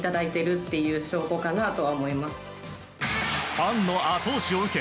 ファンの後押しを受け